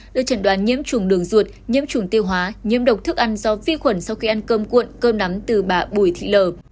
được chẩn đoán nhiễm trùng đường ruột nhiễm trùng tiêu hóa nhiễm độc thức ăn do vi khuẩn sau khi ăn cơm cuộn cơm nắm từ bà bùi thị lờ